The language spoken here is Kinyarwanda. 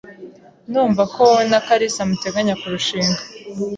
Ndumva ko wowe na kalisa muteganya kurushinga.